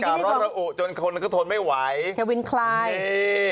อากาศร้อนระอุจนคนก็ทนไม่ไหวเควินคลายนี่